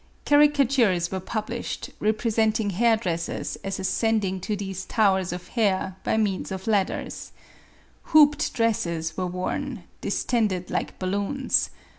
Car icatures were published, representing hair dressers as ascending to these towers of hair by means of ladders. Hooped dresses were worn, distended like balloons.